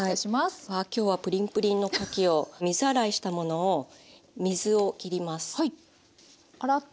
わ今日はプリンプリンのかきを水洗いしたものを水を切ります。